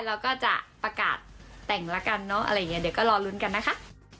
เราก็จะประกาศแต่งละกันเนอะอะไรอย่างนี้เดี๋ยวก็รอลุ้นกันนะคะ